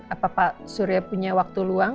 apa pak surya punya waktu luang